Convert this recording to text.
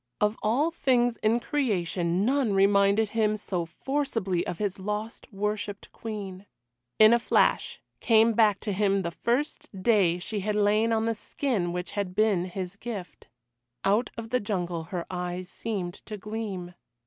Of all things in creation none reminded him so forcibly of his lost worshipped Queen. In a flash came back to him the first day she had lain on the skin which had been his gift. Out of the jungle her eyes seemed to gleam.